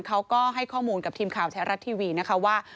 เขาก็ให้ข้อมูลกับทีมข่าวแท้รัฐทีวีนะคะว่า